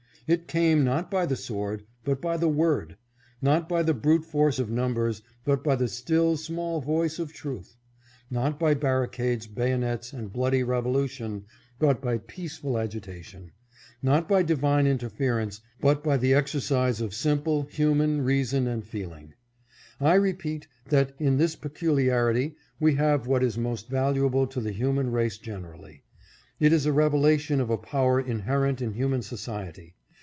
It came, not by the sword, but by the word; not by the brute force of numbers, but by the still small voice of truth ; not by barricades, bayonets, and bloody revolution, but by peaceful agitation ; not by divine inter ference, but by the exercise of simple, human reason A VICTORY FOR THE HUMAN RACE. 605 and feeling. I repeat, that, in this peculiarity, we have what is most valuable to the human race generally. It is a revelation of a power inherent in human society.